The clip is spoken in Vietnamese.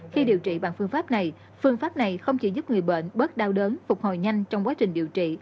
khi điều trị bằng phương pháp này phương pháp này không chỉ giúp người bệnh bớt đau đớn phục hồi nhanh trong quá trình điều trị